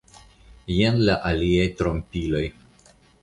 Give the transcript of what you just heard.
Jen la aliaj trompiloj.